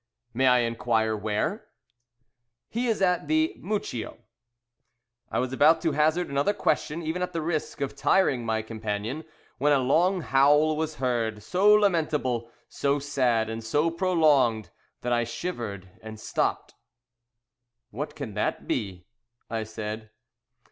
"May I inquire where?" "He is at the Mucchio." I was about to hazard another question, even at the risk of tiring my companion, when a long howl was heard, so lamentable, so sad, and so prolonged, that I shivered and stopped. "What can that be?" I said.